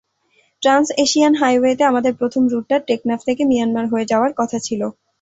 Trans-Asian হাইওয়েতে আমাদের প্রথম রুটটা টেকনাফ থেকে মিয়ানমার হয়ে যাওয়ার কথা ছিল।